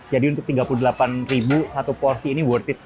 jadi untuk rp tiga puluh delapan satu porsi ini worth it